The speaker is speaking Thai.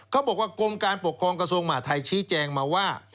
เขาบอกว่ากรมการปกครองกระทรวงหมาไทยชี้แจ้งมาว่า